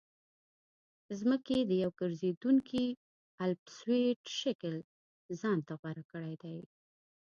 ځمکې د یو ګرځېدونکي الپسویډ شکل ځان ته غوره کړی دی